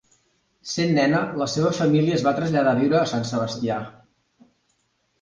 Sent nena, la seva família es va traslladar a viure a Sant Sebastià.